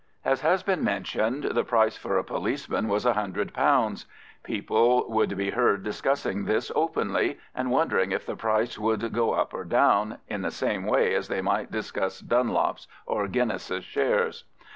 As has been mentioned, the price for a policeman was £100. People would be heard discussing this openly, and wondering if the price would go up or down, in the same way as they might discuss Dunlop's or Guinness's shares.